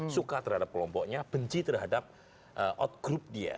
suka terhadap kelompoknya benci terhadap out group dia